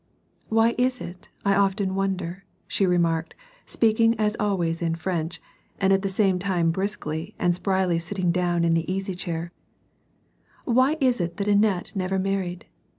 " Why is it, I often wonder," she remarked, speaking as always in French, and at the same time briskly and spryly sitting down in the easy chair, " Why is it that Annette never married.